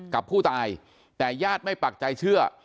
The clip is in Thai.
กับผู้ตายแต่ญาติไม่ปักใจเชื่อ